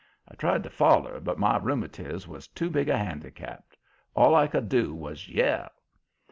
I tried to foller, but my rheumatiz was too big a handicap; all I could do was yell.